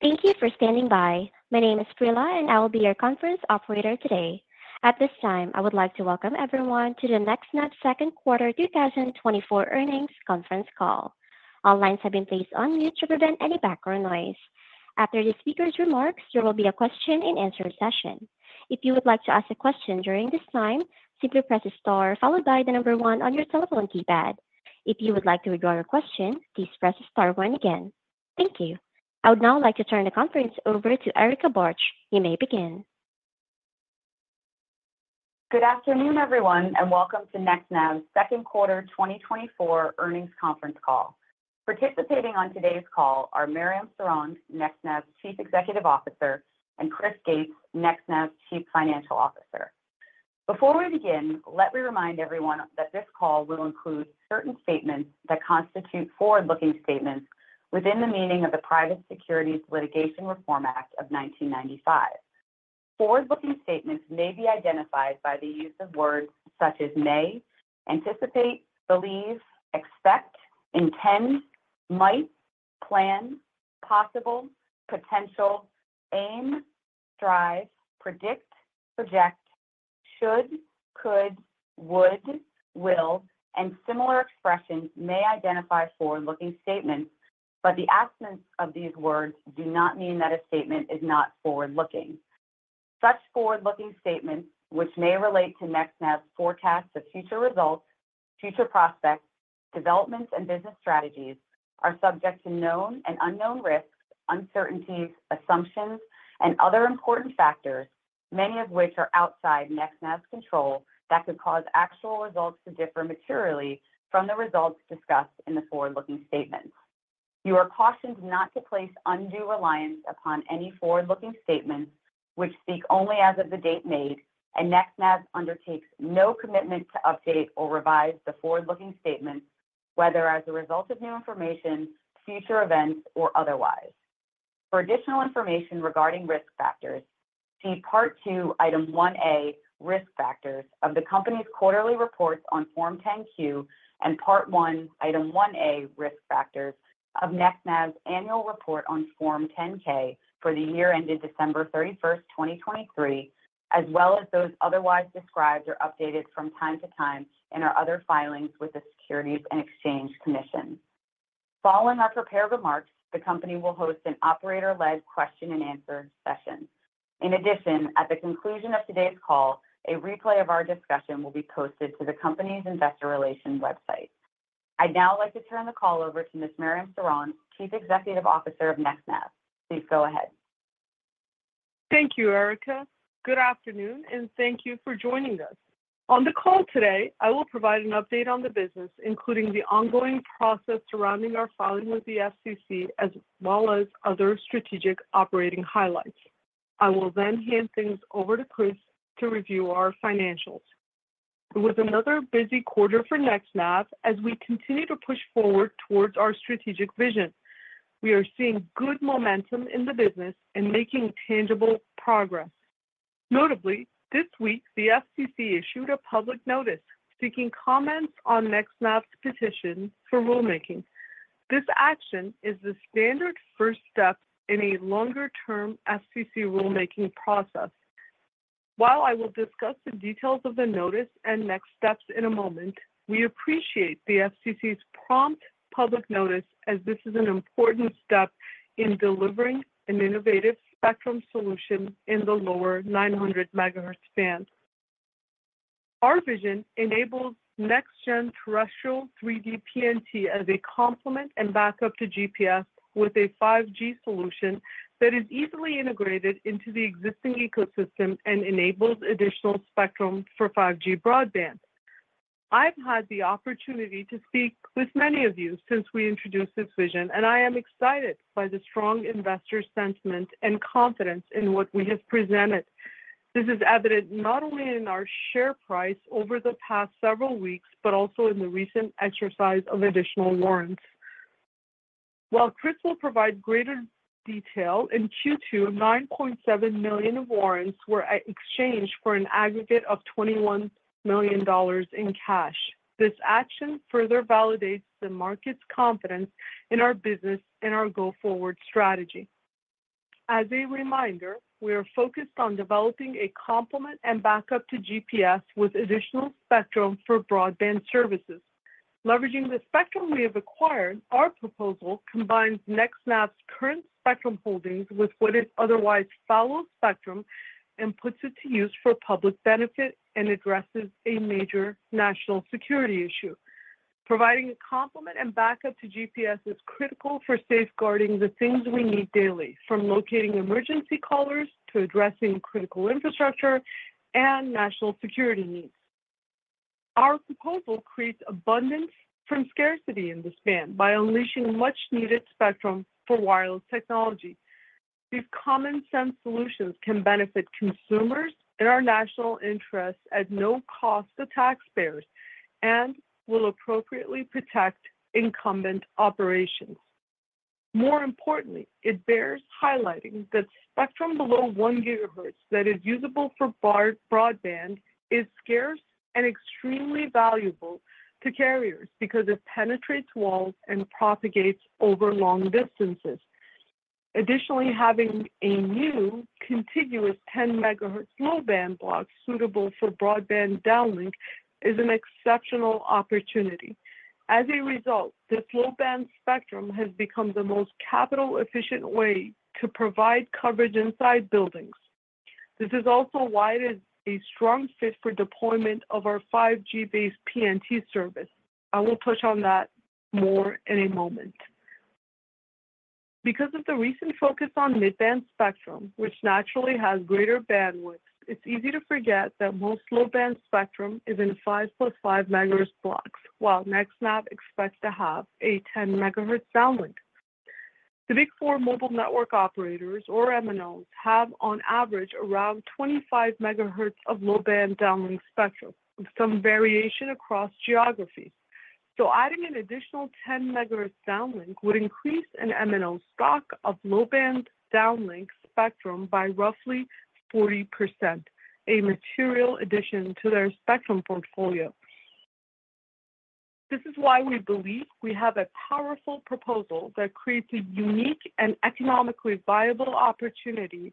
Thank you for standing by. My name is Prila, and I will be your conference operator today. At this time, I would like to welcome everyone to the NextNav second quarter 2024 earnings conference call. All lines have been placed on mute to prevent any background noise. After the speaker's remarks, there will be a question-and-answer session. If you would like to ask a question during this time, simply press a star followed by the number one on your telephone keypad. If you would like to withdraw your question, please press a star one again. Thank you. I would now like to turn the conference over to Erica Bartsch. You may begin. Good afternoon, everyone, and welcome to NextNav's second quarter 2024 earnings conference call. Participating on today's call are Mariam Sorond, NextNav's Chief Executive Officer, and Chris Gates, NextNav's Chief Financial Officer. Before we begin, let me remind everyone that this call will include certain statements that constitute forward-looking statements within the meaning of the Private Securities Litigation Reform Act of 1995. Forward-looking statements may be identified by the use of words such as may, anticipate, believe, expect, intend, might, plan, possible, potential, aim, strive, predict, project, should, could, would, will, and similar expressions may identify forward-looking statements, but the absence of these words do not mean that a statement is not forward-looking. Such forward-looking statements, which may relate to NextNav's forecasts of future results, future prospects, developments, and business strategies, are subject to known and unknown risks, uncertainties, assumptions, and other important factors, many of which are outside NextNav's control that could cause actual results to differ materially from the results discussed in the forward-looking statements. You are cautioned not to place undue reliance upon any forward-looking statements which speak only as of the date made, and NextNav undertakes no commitment to update or revise the forward-looking statements, whether as a result of new information, future events, or otherwise. For additional information regarding risk factors, see Part 2, Item 1A, Risk Factors of the Company's Quarterly Reports on Form 10-Q and Part 1, Item 1A, Risk Factors of NextNav's Annual Report on Form 10-K for the year ended December 31st, 2023, as well as those otherwise described or updated from time to time in our other filings with the Securities and Exchange Commission. Following our prepared remarks, the Company will host an operator-led question-and-answer session. In addition, at the conclusion of today's call, a replay of our discussion will be posted to the Company's Investor Relations website. I'd now like to turn the call over to Ms. Mariam Sorond, Chief Executive Officer of NextNav. Please go ahead. Thank you, Erica. Good afternoon, and thank you for joining us. On the call today, I will provide an update on the business, including the ongoing process surrounding our filing with the SEC, as well as other strategic operating highlights. I will then hand things over to Chris to review our financials. It was another busy quarter for NextNav as we continue to push forward towards our strategic vision. We are seeing good momentum in the business and making tangible progress. Notably, this week, the SEC issued a public notice seeking comments on NextNav's petition for rulemaking. This action is the standard first step in a longer-term SEC rulemaking process. While I will discuss the details of the notice and next steps in a moment, we appreciate the SEC's prompt public notice as this is an important step in delivering an innovative spectrum solution in the lower 900 MHz band. Our vision enables next-gen terrestrial 3D PNT as a complement and backup to GPS with a 5G solution that is easily integrated into the existing ecosystem and enables additional spectrum for 5G broadband. I've had the opportunity to speak with many of you since we introduced this vision, and I am excited by the strong investor sentiment and confidence in what we have presented. This is evident not only in our share price over the past several weeks but also in the recent exercise of additional warrants. While Chris will provide greater detail, in Q2, 9.7 million warrants were exchanged for an aggregate of $21 million in cash. This action further validates the market's confidence in our business and our go-forward strategy. As a reminder, we are focused on developing a complement and backup to GPS with additional spectrum for broadband services. Leveraging the spectrum we have acquired, our proposal combines NextNav's current spectrum holdings with what is otherwise fallow spectrum and puts it to use for public benefit and addresses a major national security issue. Providing a complement and backup to GPS is critical for safeguarding the things we need daily, from locating emergency callers to addressing critical infrastructure and national security needs. Our proposal creates abundance from scarcity in this band by unleashing much-needed spectrum for wireless technology. These common-sense solutions can benefit consumers and our national interests at no cost to taxpayers and will appropriately protect incumbent operations. More importantly, it bears highlighting that spectrum below 1 GHz that is usable for broadband is scarce and extremely valuable to carriers because it penetrates walls and propagates over long distances. Additionally, having a new contiguous 10 MHz low-band block suitable for broadband downlink is an exceptional opportunity. As a result, this low-band spectrum has become the most capital-efficient way to provide coverage inside buildings. This is also why it is a strong fit for deployment of our 5G-based PNT service. I will touch on that more in a moment. Because of the recent focus on mid-band spectrum, which naturally has greater bandwidth, it's easy to forget that most low-band spectrum is in 5 + 5 MHz blocks, while NextNav expects to have a 10 MHz downlink. The Big Four mobile network operators, or MNOs, have on average around 25 MHz of low-band downlink spectrum, with some variation across geographies. So adding an additional 10 MHz downlink would increase an MNO stock of low-band downlink spectrum by roughly 40%, a material addition to their spectrum portfolio. This is why we believe we have a powerful proposal that creates a unique and economically viable opportunity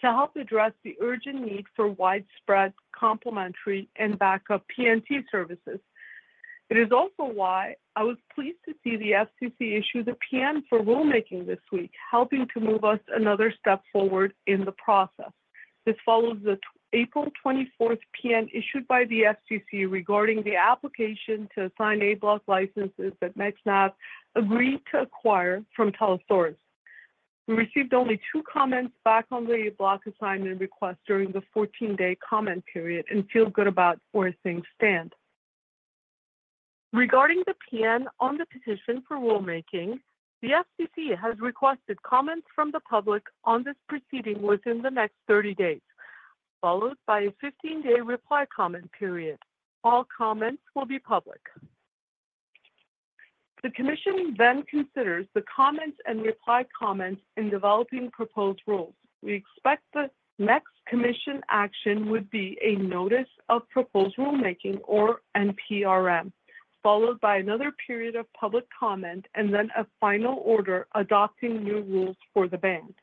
to help address the urgent need for widespread complementary and backup PNT services. It is also why I was pleased to see the SEC issue the PN for rulemaking this week, helping to move us another step forward in the process. This follows the April 24th PN issued by the SEC regarding the application to assign A-block licenses that NextNav agreed to acquire from Telesaurus. We received only two comments back on the A-block assignment request during the 14-day comment period and feel good about where things stand. Regarding the PN on the petition for rulemaking, the SEC has requested comments from the public on this proceeding within the next 30 days, followed by a 15-day reply comment period. All comments will be public. The Commission then considers the comments and reply comments in developing proposed rules. We expect the next Commission action would be a notice of proposed rulemaking, or NPRM, followed by another period of public comment, and then a final order adopting new rules for the band.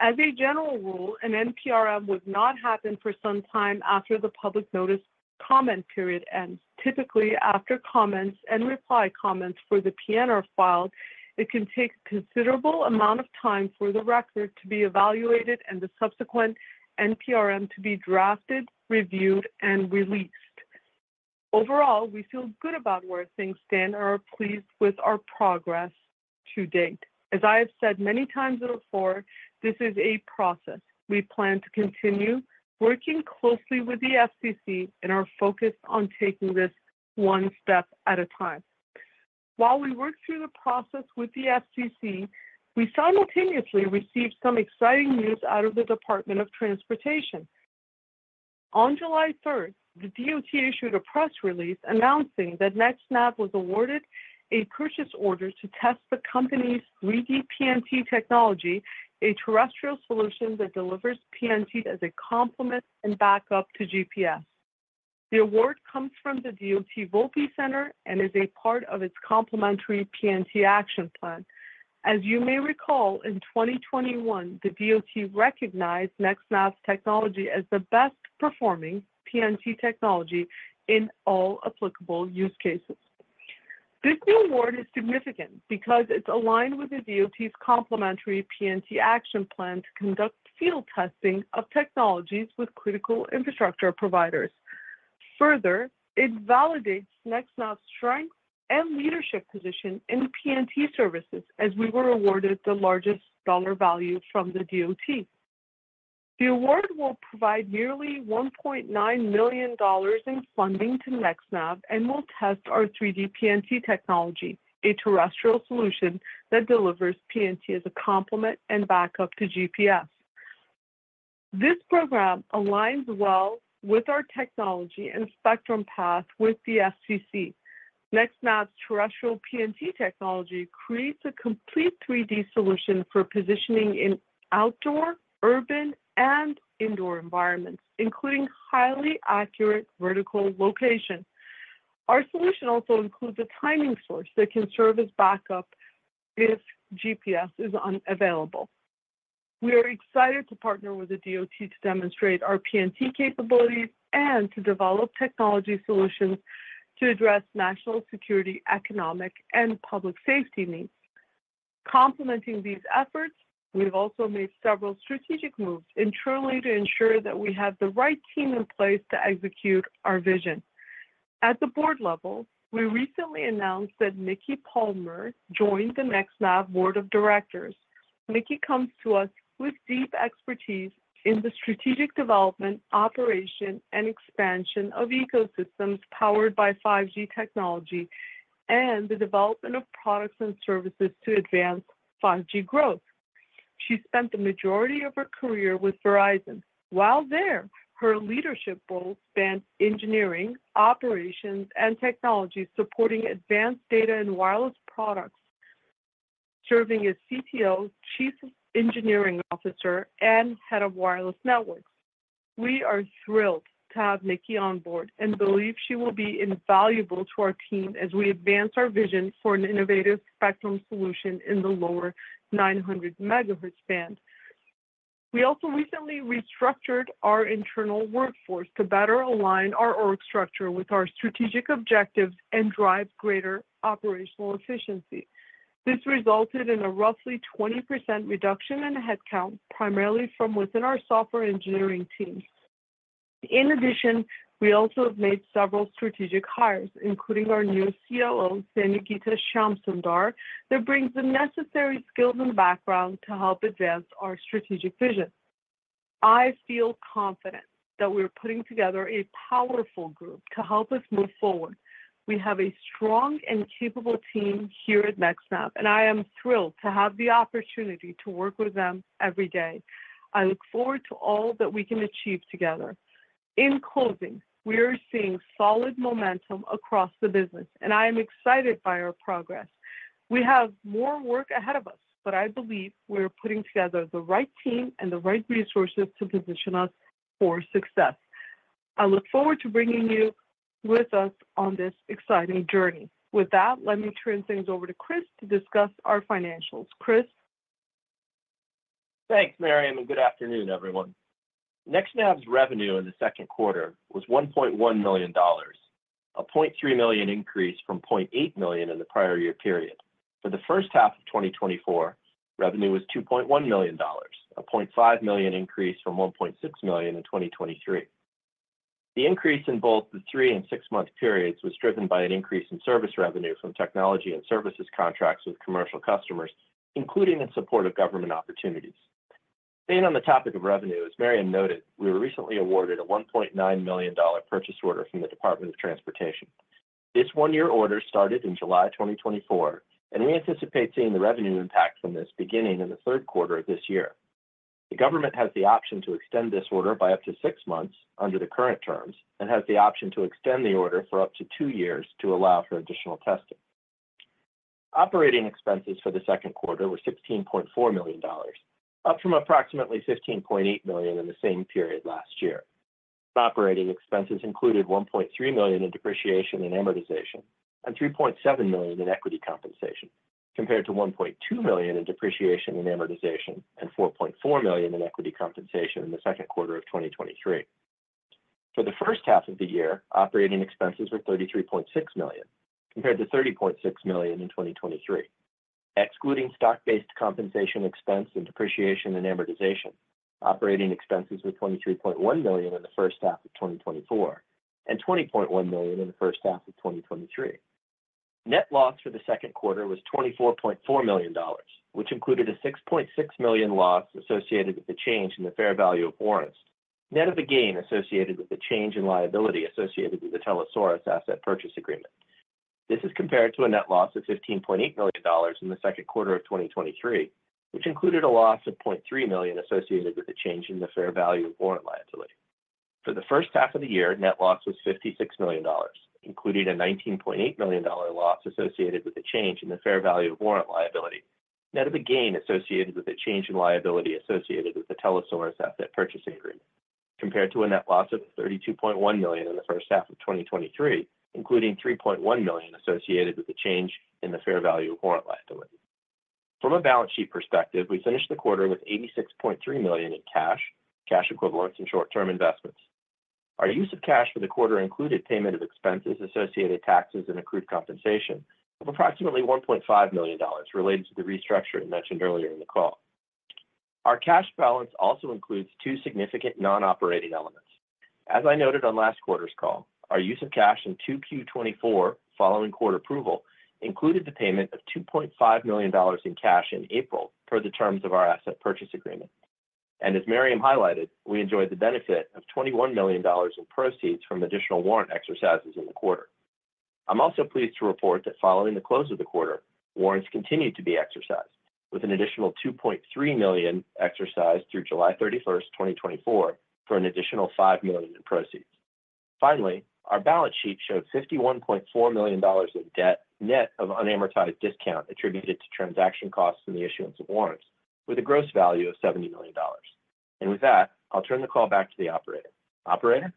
As a general rule, an NPRM would not happen for some time after the public notice comment period ends. Typically, after comments and reply comments for the PN are filed, it can take a considerable amount of time for the record to be evaluated and the subsequent NPRM to be drafted, reviewed, and released. Overall, we feel good about where things stand and are pleased with our progress to date. As I have said many times before, this is a process. We plan to continue working closely with the SEC and are focused on taking this one step at a time. While we work through the process with the SEC, we simultaneously received some exciting news out of the Department of Transportation. On July 3rd, the DOT issued a press release announcing that NextNav was awarded a purchase order to test the company's 3D PNT technology, a terrestrial solution that delivers PNT as a complement and backup to GPS. The award comes from the DOT Volpe Center and is a part of its complementary PNT action plan. As you may recall, in 2021, the DOT recognized NextNav's technology as the best-performing PNT technology in all applicable use cases. This new award is significant because it's aligned with the DOT's complementary PNT action plan to conduct field testing of technologies with critical infrastructure providers. Further, it validates NextNav's strength and leadership position in PNT services as we were awarded the largest dollar value from the DOT. The award will provide nearly $1.9 million in funding to NextNav and will test our 3D PNT technology, a terrestrial solution that delivers PNT as a complement and backup to GPS. This program aligns well with our technology and spectrum path with the SEC. NextNav's terrestrial PNT technology creates a complete 3D solution for positioning in outdoor, urban, and indoor environments, including highly accurate vertical location. Our solution also includes a timing source that can serve as backup if GPS is unavailable. We are excited to partner with the DOT to demonstrate our PNT capabilities and to develop technology solutions to address national security, economic, and public safety needs. Complementing these efforts, we have also made several strategic moves internally to ensure that we have the right team in place to execute our vision. At the board level, we recently announced that Nicki Palmer joined the NextNav Board of Directors. Nicki comes to us with deep expertise in the strategic development, operation, and expansion of ecosystems powered by 5G technology and the development of products and services to advance 5G growth. She spent the majority of her career with Verizon. While there, her leadership role spanned engineering, operations, and technology supporting advanced data and wireless products, serving as CTO, Chief Engineering Officer, and Head of Wireless Networks. We are thrilled to have Nicki on board and believe she will be invaluable to our team as we advance our vision for an innovative spectrum solution in the lower 900 MHz band. We also recently restructured our internal workforce to better align our org structure with our strategic objectives and drive greater operational efficiency. This resulted in a roughly 20% reduction in headcount, primarily from within our software engineering teams. In addition, we also have made several strategic hires, including our new COO, Sanyogita Shamsunder, that brings the necessary skills and background to help advance our strategic vision. I feel confident that we are putting together a powerful group to help us move forward. We have a strong and capable team here at NextNav, and I am thrilled to have the opportunity to work with them every day. I look forward to all that we can achieve together. In closing, we are seeing solid momentum across the business, and I am excited by our progress. We have more work ahead of us, but I believe we are putting together the right team and the right resources to position us for success. I look forward to bringing you with us on this exciting journey. With that, let me turn things over to Chris to discuss our financials. Chris? Thanks, Mariam, and good afternoon, everyone. NextNav's revenue in the second quarter was $1.1 million, a $0.3 million increase from $0.8 million in the prior year period. For the first half of 2024, revenue was $2.1 million, a $0.5 million increase from $1.6 million in 2023. The increase in both the three and six month periods was driven by an increase in service revenue from technology and services contracts with commercial customers, including in support of government opportunities. Staying on the topic of revenue, as Mariam noted, we were recently awarded a $1.9 million purchase order from the Department of Transportation. This one year order started in July 2024, and we anticipate seeing the revenue impact from this beginning in the third quarter of this year. The government has the option to extend this order by up to six months under the current terms and has the option to extend the order for up to two years to allow for additional testing. Operating expenses for the second quarter were $16.4 million, up from approximately $15.8 million in the same period last year. Operating expenses included $1.3 million in depreciation and amortization and $3.7 million in equity compensation, compared to $1.2 million in depreciation and amortization and $4.4 million in equity compensation in the second quarter of 2023. For the first half of the year, operating expenses were $33.6 million, compared to $30.6 million in 2023. Excluding stock-based compensation expense and depreciation and amortization, operating expenses were $23.1 million in the first half of 2024 and $20.1 million in the first half of 2023. Net loss for the second quarter was $24.4 million, which included a $6.6 million loss associated with the change in the fair value of warrants, net of the gain associated with the change in liability associated with the Telesaurus asset purchase agreement. This is compared to a net loss of $15.8 million in the second quarter of 2023, which included a loss of $0.3 million associated with the change in the fair value of warrant liability. For the first half of the year, net loss was $56 million, including a $19.8 million loss associated with the change in the fair value of warrant liability, net of the gain associated with the change in liability associated with the Telesaurus asset purchase agreement, compared to a net loss of $32.1 million in the first half of 2023, including $3.1 million associated with the change in the fair value of warrant liability. From a balance sheet perspective, we finished the quarter with $86.3 million in cash, cash equivalents, and short-term investments. Our use of cash for the quarter included payment of expenses, associated taxes, and accrued compensation of approximately $1.5 million related to the restructure I mentioned earlier in the call. Our cash balance also includes two significant non-operating elements. As I noted on last quarter's call, our use of cash in 2Q 2024 following court approval included the payment of $2.5 million in cash in April per the terms of our asset purchase agreement. As Mariam highlighted, we enjoyed the benefit of $21 million in proceeds from additional warrant exercises in the quarter. I'm also pleased to report that following the close of the quarter, warrants continued to be exercised, with an additional $2.3 million exercised through July 31st, 2024, for an additional $5 million in proceeds. Finally, our balance sheet showed $51.4 million of debt net of unamortized discount attributed to transaction costs in the issuance of warrants, with a gross value of $70 million. With that, I'll turn the call back to the operator. Operator?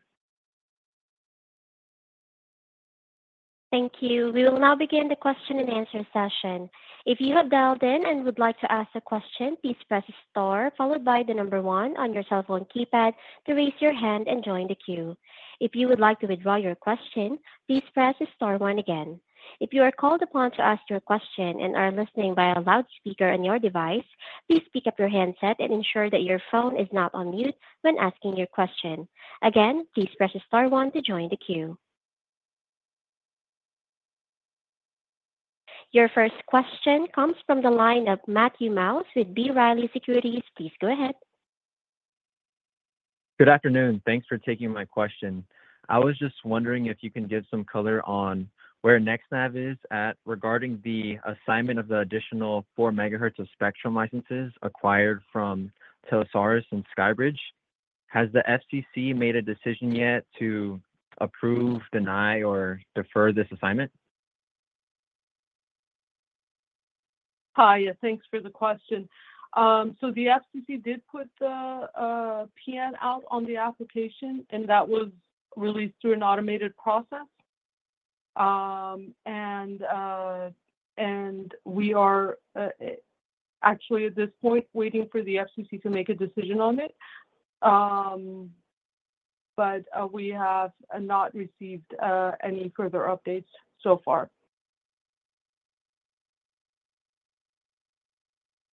Thank you. We will now begin the question and answer session. If you have dialed in and would like to ask a question, please press star followed by the number one on your cell phone keypad to raise your hand and join the queue. If you would like to withdraw your question, please press star one again. If you are called upon to ask your question and are listening via loudspeaker on your device, please pick up your handset and ensure that your phone is not on mute when asking your question. Again, please press star one to join the queue. Your first question comes from the line of Matthew Maus with B. Riley Securities. Please go ahead. Good afternoon. Thanks for taking my question. I was just wondering if you can give some color on where NextNav is at regarding the assignment of the additional 4 MHz of spectrum licenses acquired from Telesaurus and Skybridge. Has the SEC made a decision yet to approve, deny, or defer this assignment? Hi, yeah, thanks for the question. So the SEC did put the PN out on the application, and that was released through an automated process. We are actually, at this point, waiting for the SEC to make a decision on it. We have not received any further updates so far.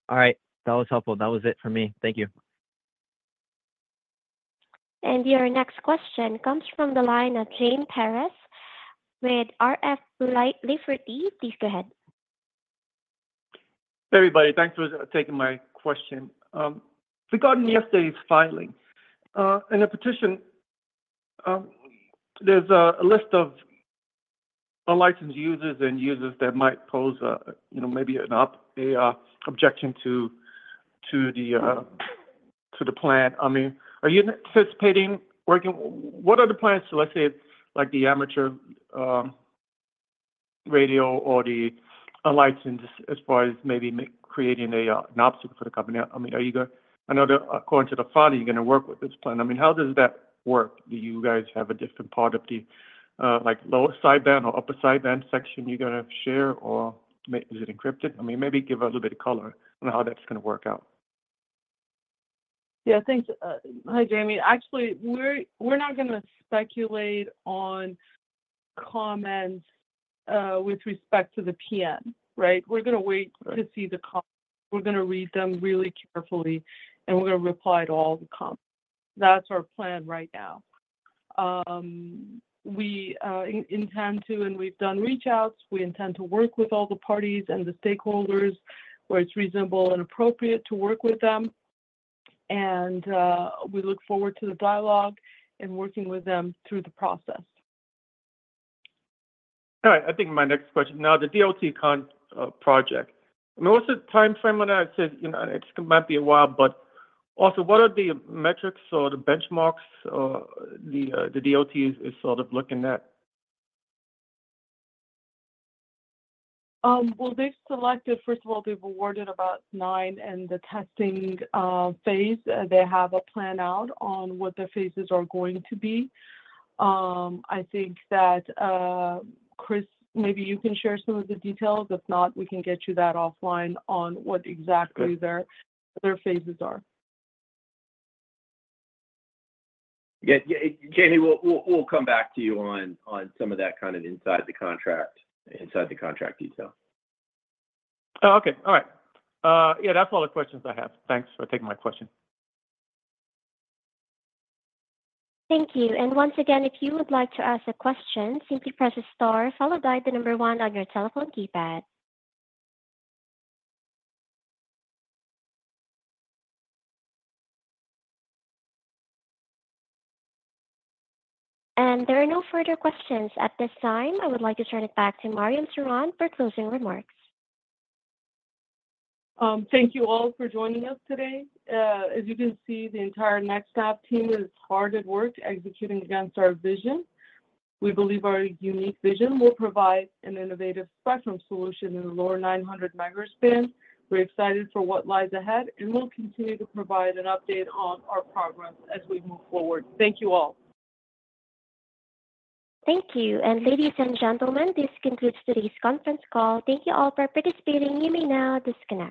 All right. That was helpful. That was it for me. Thank you. Your next question comes from the line of Jaime Perez with R.F. Lafferty. Please go ahead. Hey, everybody. Thanks for taking my question. Regarding yesterday's filing and the petition, there's a list of unlicensed users and users that might pose maybe an objection to the plan. I mean, are you participating? What are the plans? So let's say like the amateur radio or the unlicensed as far as maybe creating an option for the company. I mean, are you going to, according to the filing, you're going to work with this plan? I mean, how does that work? Do you guys have a different part of the lower sideband or upper sideband section you're going to share, or is it encrypted? I mean, maybe give a little bit of color on how that's going to work out. Yeah, thanks. Hi, Jamie. Actually, we're not going to speculate on comments with respect to the PN, right? We're going to wait to see the comments. We're going to read them really carefully, and we're going to reply to all the comments. That's our plan right now. We intend to, and we've done reach-outs. We intend to work with all the parties and the stakeholders where it's reasonable and appropriate to work with them. And we look forward to the dialogue and working with them through the process. All right. I think my next question. Now, the DOT project. I mean, what's the timeframe on that? I said it might be a while, but also, what are the metrics or the benchmarks the DOT is sort of looking at? Well, they've selected, first of all, they've awarded about nine in the testing phase. They have a plan out on what the phases are going to be. I think that, Chris, maybe you can share some of the details. If not, we can get you that offline on what exactly their phases are. Yeah. Jamie, we'll come back to you on some of that kind of inside the contract detail. Oh, okay. All right. Yeah, that's all the questions I have. Thanks for taking my question. Thank you. Once again, if you would like to ask a question, simply press star followed by the number one on your telephone keypad. There are no further questions at this time. I would like to turn it back to Mariam Sorond for closing remarks. Thank you all for joining us today. As you can see, the entire NextNav team is hard at work executing against our vision. We believe our unique vision will provide an innovative spectrum solution in the lower 900 MHz band. We're excited for what lies ahead, and we'll continue to provide an update on our progress as we move forward. Thank you all. Thank you. Ladies and gentlemen, this concludes today's conference call. Thank you all for participating. You may now disconnect.